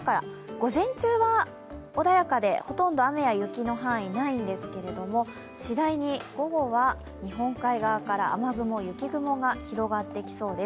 午前中は穏やかで、ほとんど雨や雪の範囲、ないんですが、次第に午後は日本海側から雨雲、雪雲が広がってきそうです。